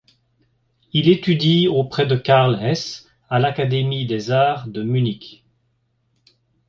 Il étudie auprès de Karl Hess à l'académie des arts de Munich.